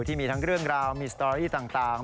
ที่มีทั้งเรื่องราวมีสตอรี่ต่าง